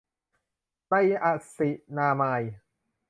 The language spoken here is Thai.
ไนอะซินาไมด์